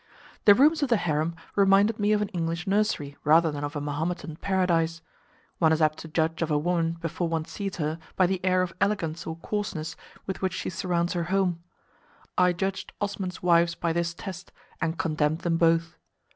The rooms of the harem reminded me of an English nursery rather than of a Mahometan paradise. One is apt to judge of a woman before one sees her by the air of elegance or coarseness with which she surrounds her home; I judged Osman's wives by this test, and condemned them both.